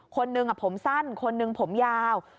คนหนึ่งผมสั้นคนหนึ่งผมยาว